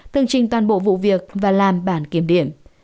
từng trình toàn bộ vụ việc và làm bản kiểm điểm